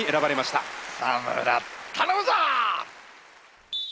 草村頼むぞ！